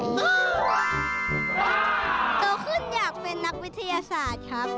โตขึ้นอยากเป็นนักวิทยาศาสตร์ครับ